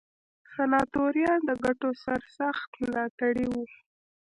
سناتوریال د ګټو سرسخت ملاتړي وو.